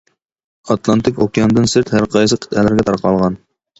ئاتلانتىك ئوكياندىن سىرت، ھەر قايسى قىتئەلەرگە تارقالغان.